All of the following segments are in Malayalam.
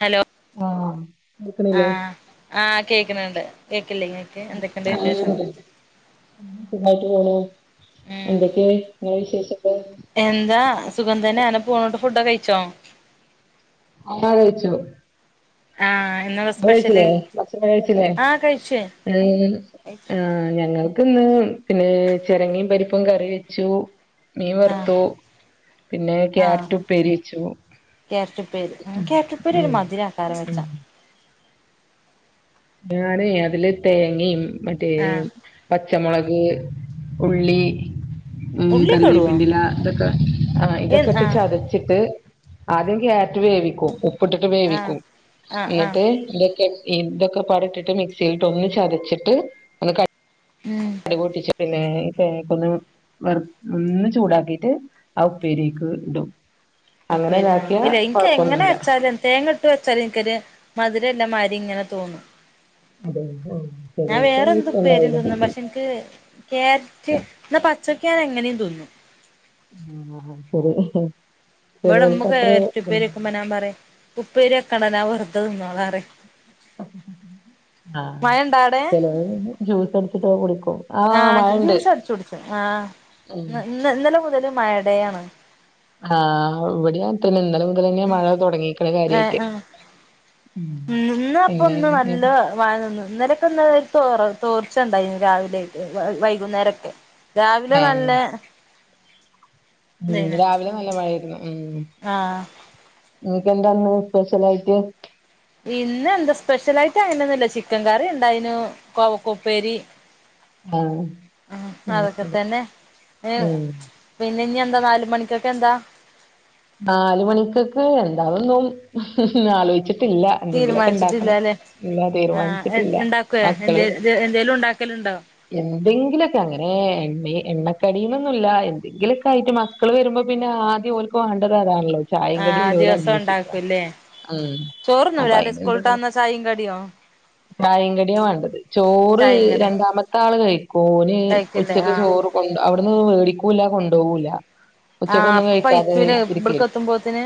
ഹലോ, ആഹ് കേൾക്കണില്ലേ ആഹ്, ആഹ് കേൾക്ക്ണണ്ട് കേൾക്കില്ലേ, ഇങ്ങ ക്ക് ആഹ് ഇണ്ട്. സുഖായിട്ട് പോവ്ണു. ഉം എന്തൊക്കെ നിങ്ങളെ വിശേഷക്കെ? എന്താ സുഖം തന്നെ ആണ്, അങ്ങനെ പോവ്ണണ്ട്. ഫുഡ് ഒക്കെ കഴിച്ചോ? ആഹ്, കഴിച്ചു. ആഹ്, ഹലോ [unintelligible] കഴിച്ചിലെ ഭക്ഷണം കഴിച്ചിലെ കഴിച്ച് ഉം, കഴിച്ചു ആഹ്, ഞങ്ങൾക്ക്ന്ന് പിന്നെ, ചിരങ്ങയും പരിപ്പും കറി വെച്ചു. മീൻ ആഹ് വറുത്തു പിന്നെ ക്യാരറ്റ് ഉപ്പേരി വെച്ചു. ക്യാരറ്റ് ഉപ്പേരി, ഉം. ക്യാരറ്റുപ്പേരി ഉം ഒരു മധുര ആക്കാരം ഉം വെച്ചാ. ഞാന് അതില് തേങ്ങയും മറ്റേ ആഹ് പച്ചമുളക്, ഉള്ളി ഉം ഉള്ളിയൊക്കെ ഇടോ കറിവേപ്പിന്റില ഇതൊക്കെ ആ ഏഹ് ഇതൊക്കെ ഇട്ട് ആഹ് ചതച്ചിട്ട് ആദ്യം ക്യാരറ്റ് വേവിക്കും ഉപ്പിട്ടിട്ട് ആഹ് വേവിക്കും ആഹ് ആഹ് എന്നിട്ട് ഇതൊക്കെ ഇതൊക്കെ പാട ഇട്ടിട്ട് മിക്സിയിലിട്ട് ഒന്ന് ചതച്ചിട്ട് ഒന്ന് ക ഉം ക് പൊട്ടിച്ച് പിന്നെ ഈ തേങ്ങക്കൊന്ന് വെർ ഒന്ന് ചൂടാക്കിട്ട് ആ ഉപ്പേരിക്ക് ഇടും. ഒപ്പ അങ്ങനെ ഇതാക്കിയ [unintelligible] ഇല്ല ഇൻക്ക് എങ്ങനെ കൊഴപ്പൊന്നുല്ല. വെച്ചാലും തേങ്ങ ഇട്ട്‌ വെച്ചാല് ഇൻക്കൊരു മധുരല്ല മാരി ഇങ്ങനെ തോന്നും. അതെ ആഹ് ഞാൻ ചെലോർക്ക് അത് വേറെന്ത് ഉപ്പേരി ഇഷ്ടണ്ടാവൂല. തിന്നും പക്ഷെ ഇൻക്ക് ഇൻക്ക് ക്യാരറ്റ് ഇന്നാ പച്ചക്ക് ഞാന് എങ്ങനെയും തിന്നും. ആഹ്, ആഹ് ശരി ഹ് ഹ് ഇബടെ ഇമ്മ ക്യാരറ്റ് ഉപ്പേരി വെക്കുമ്പോൾ ഞാൻ പറയും ഉപ്പേരി വെക്കണ്ട ഞാൻ വെറുതെ തിന്നോള പറയ്. ആഹ്, മഴ ഇണ്ടാ അവിടെ ചെലോര് പിന്നെ ജ്യൂസ് അടിച്ചിട്ട് ഒക്കെ കുടിക്കും. ആഹ്, ജ്യൂസ് അടിച്ച് കുടിച്ചും. ആഹ് ഉം ഇന്ന്, ഇന്ന് ഇന്നലെ മുതല് മഴ ഡേയാണ്. ആഹ്, ഇവടി അങ്ങൻ തന്നെ ഇന്നലെ മുതലെന്നെ മഴ തുടങ്ങീക്കിണ് കാര്യായിട്ട്. ഉം, ഇന്നാ ഇപ്പൊ ഒന്ന് പിന്നെ നല്ല മഴ നിന്ന് ഇന്നലൊക്കെ ഇന്നലെ ഒര് തോറ തോർച്ച ഇണ്ടായിനി രാവിലെറ്റെ വൈകുന്നേരൊക്കെ. രാവിലെ ആഹ് നല്ലെ ഉം രാവിലെ നല്ല മഴയായിരുന്നു ഉം. ആഹ്. ഇങ്ങക്കെന്താന്ന് സ്പെഷ്യലായിട്ട്. ഇന്ന് എന്താ സ്പെഷ്യൽ ആയിട്ട് അങ്ങനന്നുംല്ല ചിക്കൻ കറി ഉണ്ടായിനു കോവക്കോപ്പേരി. ആഹ് ഉം അത് അതൊക്കെ ശരി തന്നെ. ഉം പിന്നെ ഇനി എന്താ നാല് മണിക്കൊക്കെ എന്താ. നാല് മണിക്കക്ക് എന്താന്നും ആലോചിച്ചിട്ടില്ല. എന്തെങ്കിലൊക്കെ ഇണ്ടാക്കണം തീരുമാനിച്ചിട്ടില്ലല്ലേ ഇല്ല ആഹ് തീരുമാനിച്ചിട്ടില്ല ഉണ്ടാക്കുവേ എന്തെ മക്കള്. എന്തേലും ഉണ്ടാക്കലുണ്ടോ എന്തെങ്കിലൊക്കെ അങ്ങനെ എണ്ണ എണ്ണക്കടിന്നൊന്നുല്ല എന്തെങ്കിലൊക്കെ ആയിട്ട്. മക്കൾ വരുമ്പോ പിന്നെ ആദ്യം ഓലക്ക് വേണ്ടത് അതാണല്ലോ ചായ കടിയും ആഹ് ലോല് ദിവസം അന്വേഷിക്ക. ഉണ്ടാക്കുംല്ലേ ഉം ചോറ്ന്നൂലാല്ലേ അപ്പൊയിന് സ്കൂളിട്ട് എന്ത്. വന്ന ചായയും കടിയോ കായങ്കടിയ വേണ്ടത് ചോറ് ചായയും കടിയും രണ്ടാമത്തെ ആള് കഴിക്കൂ ഓന് കഴിക്കില്ലേ ഉച്ചക്ക് ആഹ് ചോറ്. കൊ അവിടുന്ന് മേടിക്കൂല്ല കൊണ്ടുപോകൂല്ല. ആഹ് അപ്പൊ പയിച്ചൂലെ ഇവിടക്ക് എത്തുമ്പോത്തിന്.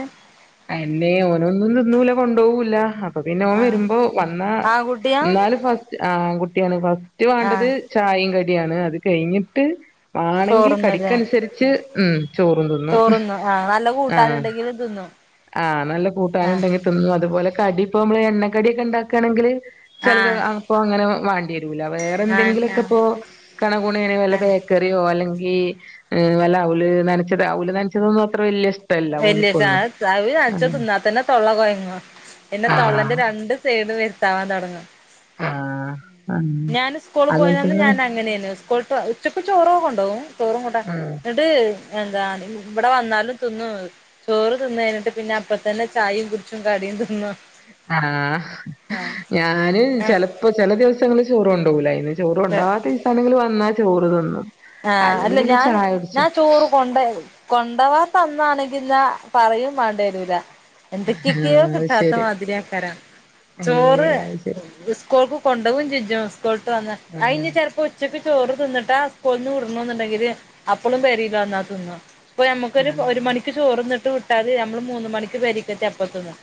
എയന്നെ ഓനൊന്നും തിന്നൂല്ല കൊണ്ടുപോവൂല്ല അപ്പൊ പിന്നെ ഓൻ ആഹ് വരുമ്പോ വന്ന. ആൺകുട്ടിയാ എന്നാലല് ഫസ്റ്റ് ആ ആൺ കുട്ടിയാണ് ഫസ്റ്റ് വേണ്ടത്. ആഹ് ചായയും കടിയാണ് അത് കഴിഞ്ഞിട്ട് വാണമെങ്കിൽ ചോറുണ്ണൂല്ലേ കടിക്കനുസരിച്ച് ഉം. ചോറും തിന്നും ചോറ്ന്നും ആ നല്ല ആ കൂട്ടാനുണ്ടെങ്കിലും തിന്നും ആ നല്ല ആ കൂട്ടാനിണ്ടങ്കില്. തിന്നു അതുപോലെ കടി ഇപ്പൊ മ്മള് എണ്ണക്കടിക്കെ ഇണ്ടാക്കാണെങ്കില്. ആ ചെലത് അപ്പൊ അങ്ങനെ വാണ്ടി വരൂല വേറെ ആ ആ എന്തെങ്കിലൊക്കെ ഇപ്പോ കണകുണേനെ ആ വല്ല. ക്കറിയോ അല്ലെങ്കി വല്ല അവല് നനച്ചത് അവുല് നനച്ചതൊന്നും അത്ര വല്യ ഇഷ് അവിലനച്ച തിന്നാത്തന്നെ തൊള്ള കൊയങ്ങു പിന്നെ തൊള്ളന്റെ ആഹ് രണ്ട്. സെയിട് വരുത്താവാൻ തൊടങ്ങും. ആഹ് ആഹ് ഞാന് സ്കൂള് പോയതന്ന് അങ്ങനത്തെന് ഞൻ അങ്ങനെയ്നു. സ്കൂൾട്ടാ ഉച്ചക്ക് ചോറും കൊണ്ടാേവും ചോറും കൂട്ട ആഹ് ത് എന്താ ഇവിടെ വന്നാലും തിന്നു. ചോറ് തിന്നു കഴിഞ്ഞിട്ട് പിന്നെ അപ്പൊത്തന്നെ ചായും കുച്ചും കടിയും തിന്നു. ആഹ് ഞാന് ചെലപ്പോ ചൃല ദിവസങ്ങള് ചോറ് കൊണ്ടൂവുലായിന്. ചോറ് ആ കൊണ്ടാവാത്തീസാണെങ്കില് വന്നാ ചോറ് തിന്നും. ആഹ് അല്ലെങ്കിൽ അല്ല പിന്നെ ഞാന് ചായ കുടിച്ചും ഞാൻ ചോറ് കൊണ്ടയവും. കൊണ്ടവാത്തന്നാണെങ്കിന്നാ പറയും വാണ്ടെരൂല. എന്തൊക്കെയൊക്കെയോ ആഹ് അത് കിട്ടാത്ത ശരി മാതിരി ആക്കാരാ ചോറ്. ഏഹ് അത് ശരി സ്കൂൾക്ക് കൊണ്ടവും ചിജും സ്കൂൾട്ട് വന്ന ആഹ് അയിനി ചെലപ്പോ ഉച്ചക്ക് ചോറ് തിന്നിട്ടാ. കൊന്നു വിടണ എന്നുണ്ടെങ്കില് അപ്പഴും പെരില്ല് വന്നാ തിന്ന. ഇപ്പൊ നമ്മുക്കൊരു ഒരു ആഹ് മണിക്ക് ചോറന്നിട്ട് വിട്ടാ നമ്മള് മൂന്ന് മണിക്ക് പെരേക്കെത്തി അപ്പത്തിന്നു.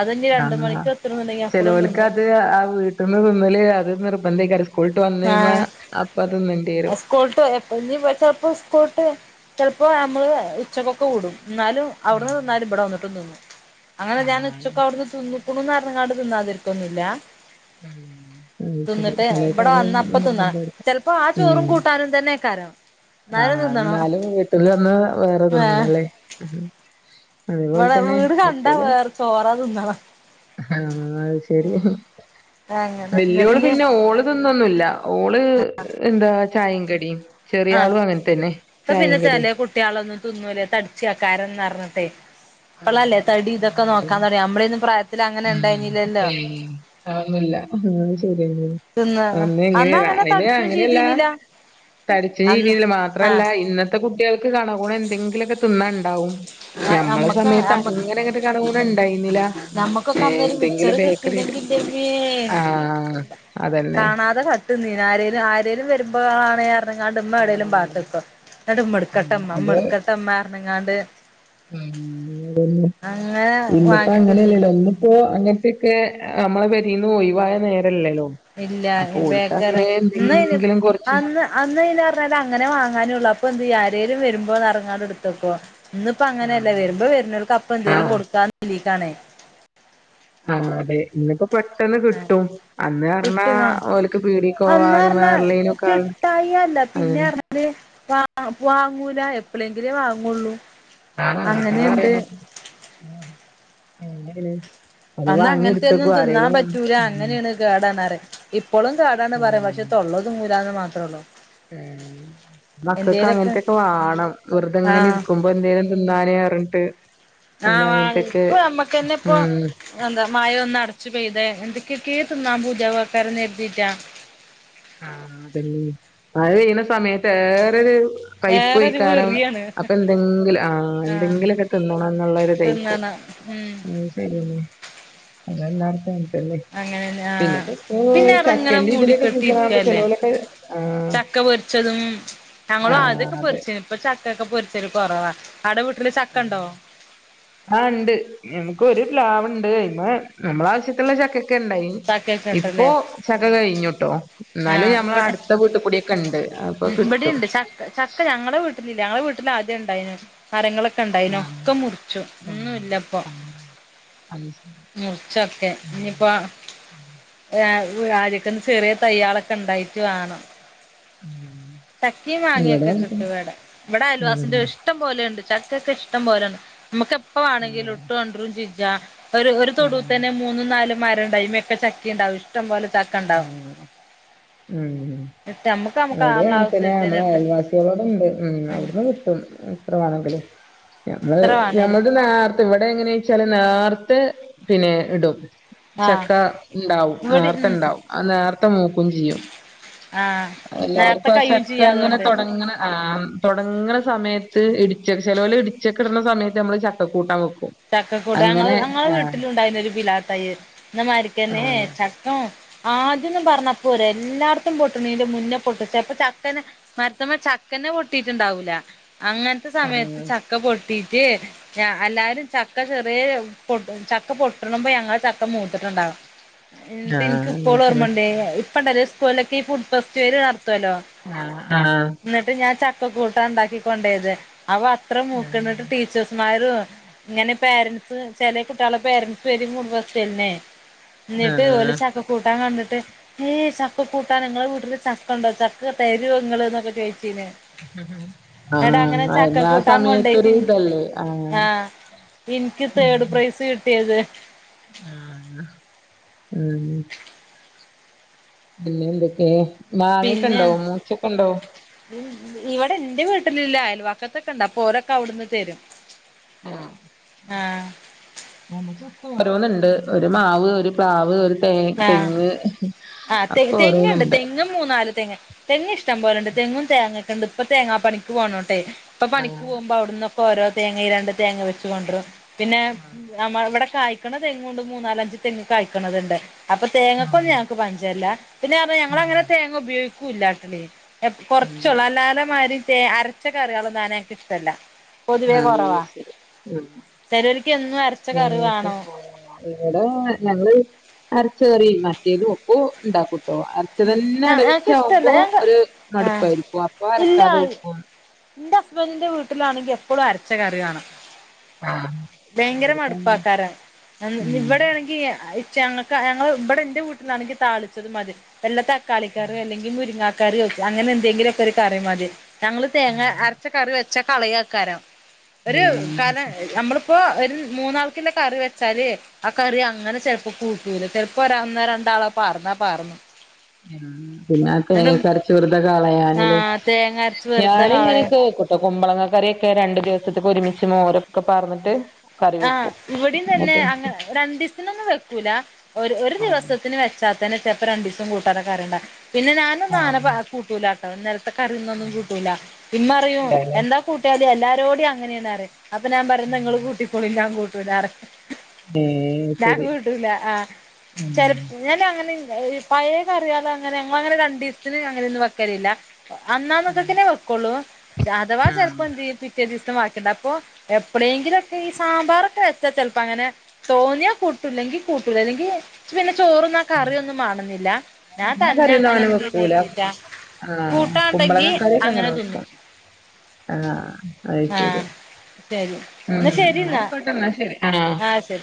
അതനി രണ്ടു ആഹ് മണിക്ക് എത്തണണ്ടെങ്കി അപ്പഴും ചെലോൽക്ക് തിന്നു. അത് ആ വീട്ടിൽന്ന് തിന്നല് അത് നിർബന്ധക്കാരു സ്കൂളിട്ട് വന്ന് കഴിഞ്ഞാൽ അപ്പൊ അതിന്നണ്ടേരും. സ്കൂളട്ട് എപ്പ നി ചപ്പോ സ്കൂളട്ട് ചിലപ്പോ നമ്മള് ഉച്ചക്കൊക്കെ വിടും എന്നാലും. ഉം അവിടന്ന് തിന്നാലും ഇവിടെ വന്നിട്ടും തിന്നു അങ്ങനെ ഞാൻ ആഹ് ഉച്ചൊക്കെ അവിടെന്ന് തിന്നും. കുടുന്നറഞ്ഞ്കാട് തിന്നാതിരിക്കൊന്നുല്ല. ഉം ഉം ശരി തിന്നിട്ട് ചല. ഇവിടെ വന്നപ്പ തിന്നാ ചെലപ്പോ ആ ചോറും ഉം കൂട്ടാനും തന്നെക്കാരൊ. ആഹ് എന്നാലും വീട്ടിൽ വന്ന് ഏഹ് വേറെതിന്നണം ല്ലേ. അതിപോലെ ഇവിടെ തന്നെ വീട് കണ്ടാ പറ്റല വേറെ ചോറാ തിന്നണം ആഹ അത് ശരി അങ്ങനെ വല്യ എന്നിട്ട് ഓള് ഇഞ്ഞ് പിന്നെ ഓള് അതൊന്ന ഒന്നുമല്ല ഓള് എന്താ ചായയും കടിയും ആഹ് ഇപ്പ പിന്നെ കടിം ചെലേ കുട്ട്യേളൊന്നും തിുന്നൂലെ. തട്ച്യേക്കാരന്ന് പറ്ഞ്ഞിട്ടെ. ആഹ് ഇപ്പളല്ലെ തടി ആഹ് ഇതൊക്കെ നോക്കാൻ അതന്നെ തൊടങ്ങ്യെ. ഞമ്മള്യെന്നും പ്രായത്തില് അങ്ങനെ ഇണ്ടായിനില്ലല്ലോ. ആ ഒന്നുല്ല. ശരിയ തിന്ന് അന്ന് എങ്ങനെയ അങ്ങനെ അതിന് തടിച്ചും അങ്ങനെല്ല ചെയ്തീനില്ല തഠിച്ച അന്ന് ഏന്യെല്ലൊ മാത്ര അല്ല ആഹ് ഇന്നത്തെ കുട്ട്യേൾക്ക് കണകുണ എന്തെങ്കിലൊക്കെ തിന്നാ ഇണ്ടാവും. ആഹ് അമ്മ സമയത്ത് അങ്ങനെ ഇങ്ങെട്ട് കണ കുണ ഇണ്ടായിന്നില്ല. നമ്മുക്കൊക്കെ ഏഹ് അന്നൊരു എന്തെങ്കിലും മിച്ചറ് ബേക്കറി കിട്ടീല്ലെങ്കിൽ ഇന്റെ മ്മേ ആഹ് അതന്നെ കാണ അത് കട്ട്ന്നിനി ആരേലും ആരേലും വരുമ്പളാണ് അറ്ണ് ങ്ങാണ്ട് ഇമ്മ എവിടെേലും ആഹ് പാത്ത ക്കൊ. ഇന്നട്ട് ഇമ്മട്ക്കെട്ടമ്മ ഇമ്മമ്മ ഇട്ക്കെട്ടമ്മാറ്ങ്ങാണ്ട് ളം അങ്ങനെ ഇന്ന്പ്പ വാങ്ങി തിന്ന് അങ്ങനെയല്ലേല്ലോ ഇന്ന് ഇപ്പ അങ്ങൻത്തെെക്കെ നമ്മളെ പെരീന്ന് ഒഴിവായ നേരല്ലല്ലൊ. ഇല്ല അപ്പൊ ഓൽക്ക് ബേക്കറി അങ്ങനെ ഇന്നയ്ന് എന്തെെങ്കിലും കൊറച്ച് അന്ന് അന്ന് എയ്ലാ പറ്ഞ്ഞാല് അങ്ങനെ വാങ്ങാനൊള്ളു. അപ്പൊ എന്തയ്യ ആരേലും വരുമ്പോറ്ങ്ങാണ്ട് ഇട്ത്തെക്കും. ഇന്ന് ഇപ്പ അങ്ങനെയല്ല. ആഹ് വരുമ്പം വർ നോൽക്ക് അപ്പ എന്തേലും ആഹ് കൊടുക്കാന്ന് [unintelligible] ക്കാണെ. ആ അതെ. ഇന്ന്പ്പം. പെട്ടെന്ന് കിട്ടും. അന്ന് പറ്ഞ്ഞാ കിട്ടുമാ ഓൽക്ക് പീടീക്കോവാനും വേറളേനും ഒക്കെ രായി അല്ല. പിന്നെ അറ്ഞ്ഞല് വ വാങ്ങൂല എപ്ളേങ്കിലെ വാങ്ങുള്ളു. ആ [unintelligible] [unintelligible] പറ ആ അന്ന് അങ്ങൻത്തെ ഒന്നും തിന്നാൻ പറ്റൂല. അങ്ങനെ ആണ് അത് കേടാണ് അറിം ഇപ്പളും കേടാണ് പറിം. പക്ഷെ തൊള്ളത് മൂരാന്ന് മാത്രള്ളു. ഏഹ്. മക്കക്ക് അങ്ങൻത്തൊക്കെ വാണം. വെറുതെങ്ങനെ ആഹ് ഇരിക്കു എന്തേലും തിന്നാന് പറ്ഞ്ഞിട്ട്. ആഹ വാങ്ങി. ഇപ്പം നമ്മക്കെന്നെ ഇപ്പം. ഉം എന്താ മായ ഒന്ന് അടച്ചുപെയ്ത് എന്തൊക്കെക്കേ തിന്നാൻ പൂ ത്യാക്കാരന്ന് കരുതീറ്റാ. ആഹ് അതന്നെ. മഴ പെയ്യ്ണ സമയത്ത് ഏറൊരു വേറൊരു പൈപ്പോക്കാരം. വെറിയാണ് അപ്പൊ എന്തെങ്കിലും ആ ആഹ് എന്തെങ്കിലൊക്കെ തിന്നണംന്നുള്ളരിതേക്കും. തിന്നണം ഉം അ ശരിയന്നെ അത് എല്ലാർക്കു [unintelligible] പിന്നെ അങ്ങനെന്നെ പിന്നെ ആഹ് ഉം പിന്നെ ഇങ്ങനെ ചക്കൻെറെ ഇതിന്റൊക്കെ മൂടിക്കെട്ടി ഇരിക്കല്ലേ ചെലോലൊക്കെ ആ ചക്ക പൊരിച്ചതും ആ ഞങ്ങളും ആദ്യൊക്കെ അതെ. പൊരിച്ചീനി ഇപ്പൊ ചക്കൊക്കെ പൊരിച്ച ഒരു കൊറവ. ഔടെ വീട്ടില് ചക്കണ്ടോ. ആഹ് ഇണ്ട്. ഞമക്ക് ഒരു പ്ലാവ് ഇണ്ട്. അയ്മെ നമ്മളെ ആവശ്യത്തിനുള്ള ചക്കൊക്കെ ഇണ്ടായി ചക്കയൊക്കെ ഇപ്പൊ ഉണ്ടല്ലേ ചക്ക കഴിഞ്ഞു ട്ടൊ. ഇന്നാലും ആഹ് ഞമ്മളെ ഇവിടെ അടുത്ത വീട്ടുകൂടിയൊക്കെ ഇണ്ട്. അപ്പൊ കിട്ടും. ഇവിടെയുണ്ട് ചക്ക ചക്ക ഞങ്ങളുടെ വീട്ടിലില്ല. ഞങ്ങളെ വീട്ടിൽ ആദ്യം ഇണ്ടായിനു. മരങ്ങളൊക്കെ ഒക്കെ ഇണ്ടായിനു. ആഹ് ഒക്കെ മുറിച്ചു ഒന്നും ആഹ് ഇല്ല ഇപ്പൊ. ആഹ് [unintelligible] മുറിച്ചൊക്കെ ഇഞ്ഞ്പ്പം. രാജക്കന്ന് ചെറിയ തയ്യേളൊക്കെ ഇണ്ടായിട്ട് വാണം. ഉം ചക്കി ഇവിടെ മാങ്ങ്യാെക്കെ അങ്ങൻ കിട്ടും തന്നെ ഇവെടെ. ഇവിടെ അയൽവാസിന്റെ ആഹ് ഇഷ്ടം പോലെ ഉണ്ട്. ചക്ക ഒക്കെ ഇഷ്ടം പോലേണ്. നമുക്ക് എപ്പ വാണെങ്കിലും ഇട്ട് കൊണ്ട്രും ചെജ. ഒരു ഒരു ആഹ് തൊടൂതന്നെ മൂന്നും നാലും മരം ഇണ്ടാവും. അയ്മെക്കച്ചക്കീണ്ടാവും ഇഷ്ടം പോലെ ച ആഹ് ഉം ഇട്ട് നമ്മുക്ക് നമ്മുക്ക് എ നമ്മളെ [unintelligible] പിന്നെ ആവശ്യത്തിന് ഞമ്മളെ ഇട്ട് അയൽവാസികളോടെ ഇണ്ട്. ഉം അവിട്ന്ന് കിട്ടും എത്ര വാണെങ്കിലും. ഞമ്മള് എത്ര വേണേലും ഞമ്മൾത് നേർത്ത് ഇവെടെ എങ്ങനെ വച്ചാല് നേർത്തെ പിന്നെ ഇടും. ആഹ് ചക്ക ഉണ്ടാവും ഇവിടെ നേർത്ത ഉം ഉണ്ടാവും ആ നേർത്തെ മൂക്കും ചെയ്യും ആഹ് നേരത്തെ എല്ലാർക്കും ആ കഴിയും ചക്ക ചെയ്യും ഇങ്ങനെ അതുകൊണ്ട് തൊ ടങ്ങണ ആ തുടങ്ങണ സമയത്ത് ഇടിച്ച ചെലോൽ ഇടിച്ചൊക്കെ ഇടണ സമയത്ത് നമ്മള് ചക്ക കൂട്ടാൻ വേക്കും ചക്കക്കൂടങ്ങഞങ്ങടെ വീട്ടിലുണ്ടായിരുന്നൊരു പിലാ തയ്യ് എന്ന മാരിക്കാനേ ആഹ് ചക്ക ആദ്യന്നും പറഞ്ഞ പോരാ എല്ലാടത്തും പൊട്ടു നീന്റെ മുന്നേ പൊട്ടു ചപ്പ ചക്കന മരത്തുമ്മേ ചക്കന്നേ പൊട്ടിയിട്ടുണ്ടാവൂല അങ്ങന സമയത്ത് ചക്ക പൊട്ടിട്ട് എല്ലാരും ചക്ക ചെറിയ പൊ ചക്ക പൊട്ടണ്പോ ഞങ്ങ ചക്ക മൂത്തിട്ടുണ്ടാകാം ആഹ് എന്നിട്ട് എനിക്ക് ആഹ് ഇപ്പോൾ അങ്ങൻതന്നെ ഓർമ്മണ്ടേ ഇപ്പണ്ടല്ലേ സ്കൂളിലൊക്കെ ഈ ഫുഡ് ഫെസ്റ്റിവല് നടത്തുവല്ലോ ആ ആഹ് എന്നിട്ട് ഞാൻ ചക്കക്കൂട്ട ഉണ്ടാക്കി കൊണ്ടയ തേനി അവ അത്ര ആഹ് മൂക്കണ്ടിട്ട് ടീച്ചേഴ്സ്മാരും ഇങ്ങനെ പേരൻസ് ചെല കുട്ടിയാല പേരൻ്റ്സ് വരും ഫുഡ് ഫെസ്റ്റിന് ന്നീട്ട് ഓര് ചക്ക കൂട്ടാൻ കണ്ടിട്ട് ഏയ് ചക്ക കൂട്ടാ നിങ്ങളെ വീട്ടില് ചക്ക ഉണ്ടോ ചക്ക തരു ഇങ്ങള് എന്നൊക്കെ ചോയിച്ചീനീ എടാ ആഹ് അങ്ങനെ അയിന് ആ ചക്കക്കൂട്ടൻ സമയത്തൊരു കൊണ്ടിയിട്ട് ഇതല്ലേ ആഹ് എനിക്ക് തേർഡ് പ്രൈസ് കിട്ടിയത് ആഹ് ഉം പിന്നെ എന്തൊക്കെയ മാങ്ങ ഒകെ പിന്നെ ഉണ്ടോ മൂച്ചൊക്കെ ഉണ്ടോ ഇവിടെ എന്റെ വീട്ടിലില്ല അയൽവാക്കത്തൊക്കെ ഉണ്ട് അപ്പോ ഓരൊക്കെ അവിടുന്ന് തരും ആഹ് നമുക്ക് ഇപ്പൊ ഓരോന്നുണ്ട് ഒരു മാവ് ഒരു പ്ലാവ് ഒരു ആഹ് തെങ്ങ് ആ തെ ഒക്കെ തെങ്ങുണ്ട് ഓരോന്നുണ്ട് തെങ്ങും മൂന്നാല് തെങ്ങ് തെങ്ങ് ഇഷ്ടം പോലെണ്ട് തെങ്ങും തേങ്ങൊക്കെ ഉണ്ട് ഇപ്പ തേങ്ങാ പണിക്ക് പോണോട്ടെ ഇപ്പ പണിക്ക് ആഹ് പോകുമ്പോ അവിടന്നൊക്കെഓരോ തേങ്ങ രണ്ട് തേങ്ങ വച്ച് കൊണ്ടരും പിന്നെ ആഹ് നമ്മ ഇവിടെ കായ്ക്കണ തെങ്ങും ണ്ട് മൂന്നാലഞ്ച് തെങ്ങ് കായ്ക്കണതുണ്ട് അപ്പൊ തേങ്ങക്ക് ഒന്നും ആഹ് ഞങ്ങക്ക് പഞ്ചല്ല പിന്നെ ന്ന് പറഞ്ഞാ ഞങ്ങ ഉം അങ്ങനെ തേങ്ങ ഉപയോഗിക്കൂല്ലാ ഉം കുറച്ചള്ളൂ അല്ലാലെമാതിരി അരച്ച കറികളുംന്നാന എനിക്ക് ഇഷ്ടമല്ല പൊതുവേ അങ്ങനെ കുറവാ ശരി ഉം ചിലോര്ക്ക് എന്നും അരച്ച ഞങ്ങൾക്ക് കറിവാണം ആഹ് ഇവിടെ ഞങ്ങൾ അരച്ച കറി മറ്റേത് ഒക്ക ഇണ്ടാക്കും ട്ടോ അരച്ച തന്നെ ഞങ്ങക്ക് ഇഷ്ടല്ല അടവിച്ചാവുമ്പോ ഞങ്ങക്ക് ഒരു ആഹ് മടുപ്പായിരിക്കും അപ്പൊ ഇല്ല അരക്കാതെ വെയ്ക്കും എന്റെ ഹസ്ബന്റെ വീട്ടിലാണെങ്കിൽ എപ്പോഴും അരച്ച കറി വേണം ഭയങ്കര മടുപ്പാകാരം ഉം ഇവിടെ ആണെങ്കിച്ച ഞങ്ങൾ ഇവിടെ എന്റെ വീട്ടിലാണെങ്കിൽ താളിച്ചത് മതി വല്ല തക്കാളിക്കാറീ അല്ലെങ്കിൽ മുരിങ്ങ കറി കറി യൊ അങ്ങനെ എന്തെങ്കിലൊക്കെ ഒരു കറി മതി ഞങ്ങങ്ങള് തേങ്ങ അരച്ച കറി പച്ച കളിയേകാരം ഒരു ഏഹ് കാരണം നമ്മള് ഇപ്പൊ ഒരു മൂന്നാൾക്കിന്റെ കറി വെച്ചാല് ആ കറി അങ്ങനെ ചെലപ്പോ കൂട്ടുല ചെലപ്പോ ഒന്നോ രണ്ടാളാ പാർന്നാ പാറ് ന്നു ഉ പിന്ന തേങ്ങ അരച്ച് വെറുതെ കളയാനല് ആഹ് തേങ്ങ അരച്ച് വെറുതെ ഞാന് കളയും ഇങ്ങനെയൊക്കെ വെക്കും ഇപ്പൊ കുമ്പളങ്ങ കറിയൊക്കെ രണ്ടു ദിവസത്തേക്ക ഒരുമിച്ച് മോരൊക്കെ പാ ർന്നിട്ട് ആഹ് ഇവിടെയും തന്നെ അങ്ങ രണ്ട് ദിവസത്തിനൊന്നും വെക്കൂല ഒരു ആഹ് ദിവസത്തിന് വെ ച്ചാ തന്നെ ചിലപ്പോ രണ്ട് ദിവസം കൂട്ടാനും കറി പിന്നെ ഞാനൊന്നും ആഹ് അങ്ങനെ കൂട്ടൂല ഇന്നലത്തെ കറിയുന്നൊന്നും കൂട്ടൂല്ല ഉമ്മ പറയും ഇല്ലാല്ലേ എന്താ കൂട്ടിയാൽ എല്ലാരരോടയും അങ്ങനെയാണ് അറിം അപ്പൊ ഞാൻ പറയും നിങ്ങള് ഉം കൂട്ടിക്കൊളിൻ ഞാൻ കൂട്ടൂല പറീം ഏഹ് ഞാൻ ശരി കൂട്ടൂല ആ ഉം ചിലപ്പോ ഞാൻ അങ്ങനെ പഴയ കറികൾ അങ്ങനെ രണ്ടു ദിവസത്തിന് അങ്ങനെന്നും വെക്കലില്ല അന്നാന്നൊക്കക്കനെ വെക്കുള്ളൂ അഥവാ ചെലപ്പോ ആഹ് എന്ത് ചെയ്യും ബാക്കിയുണ്ടാകും അപ്പൊ എപ്പോഴയെങ്കിലുംക്കെ ഈ സാമ്പാറൊക്കെ വെച്ചാ ചിലപ്പോ അങ്ങനെ തോന്നിയാ കൂട്ടൂല്ലെങ്കിൽ കൂട്ടലില്ല ഇല്ലെങ്കി പിന്നെ എനിക്ക് ചോറുതിന്നാൻ കറിയൊന്നും വേണുന്നില്ല എല്ലാ കറിയൊന്നുംഅങ്ങനെ വെക്കൂല ആഹ കൂട്ടാണ്ടെങ്കി കുമ്പളങ്ങ കറിയോക്കെ അങ്ങനെ തിന്നും വെക്കും ആഹ അത് ശരി ആഹ് ശരി എന്നാ ശരി ഉംഎന്നാ എന്നാ ആയിക്കോട്ടന്ന ശരി ആ ആഹ് ശരി